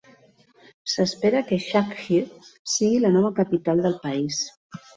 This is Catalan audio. S'espera que Sakhir sigui la nova capital del país.